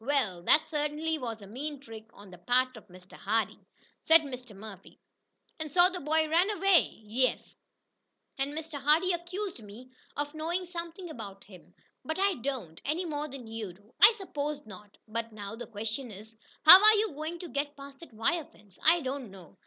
"Well, that certainly was a mean trick on the part of Mr. Hardee," said Mr. Murphy. "And so the boy ran away?" "Yes, and Mr. Hardee accused me of knowing something about him, but I don't any more than you do." "I suppose not. But now the question is, How are you going to get past that wire fence?" "I don't know.